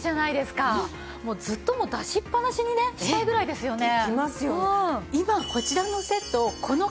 ずっともう出しっぱなしにねしたいぐらいですよね。